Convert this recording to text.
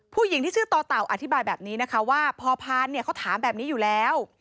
ผู้หญิงที่ชื่อต่อเต่าอธิบายแบบนี้นะคะว่าพอพานเนี่ยเขาถามแบบนี้อยู่แล้ว